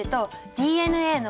ＤＮＡの。